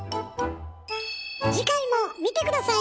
次回も見て下さいね！